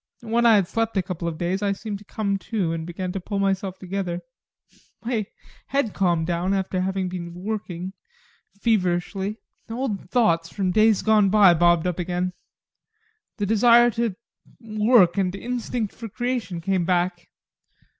When I had slept a couple of days, I seemed to come to, and began to pull myself together. My head calmed down after having been working feverishly. Old thoughts from days gone by bobbed up again. The desire to work and the instinct for creation came back.